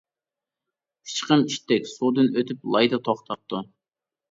پىچىقىم ئىتتىك سۇدىن ئۆتۈپ لايدا توختاپتۇ.